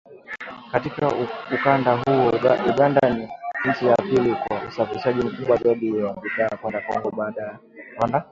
Katika ukanda huo Uganda ni nchi ya pili kwa usafirishaji mkubwa zaidi wa bidhaa kwenda Kongo baada ya Rwanda